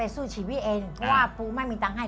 สู้ชีวิตเองเพราะว่าปูไม่มีตังค์ให้